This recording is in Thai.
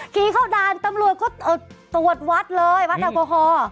ขี่เข้าด่านตำรวจก็ตรวจวัดเลยวัดแอลกอฮอล์